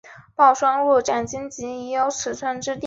维莱尔圣热内斯。